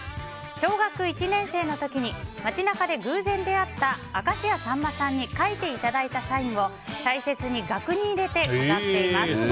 小学１年生の時に街中で偶然出会った明石家さんまさんに書いていただいたサインを大切に額に入れて飾っています。